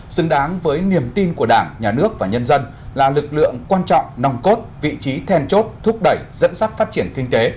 xứng đáng với niềm tin của đảng nhà nước và nhân dân là lực lượng quan trọng nòng cốt vị trí then chốt thúc đẩy dẫn dắt phát triển kinh tế